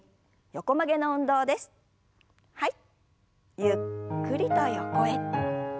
ゆっくりと横へ。